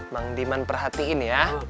bang diman perhatiin ya